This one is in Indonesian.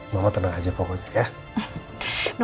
bawa tenang aja pokoknya ya